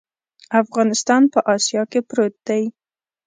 افغانستان په اسیا کې پروت دی.